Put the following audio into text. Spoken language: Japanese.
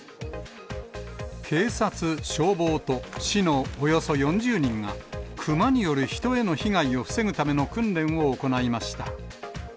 警察、消防と市のおよそ４０人が、クマによる人への被害を防ぐための訓練を行いました。